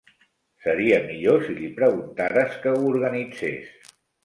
Seria millor si li preguntares que ho organitzés.